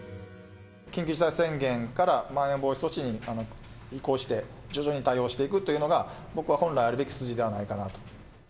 緊急事態宣言からまん延防止措置に移行して、徐々に対応していくというのが、僕は本来あるべき筋ではないかなと。